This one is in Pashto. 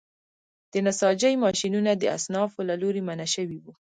د نساجۍ ماشینونه د اصنافو له لوري منع شوي وو.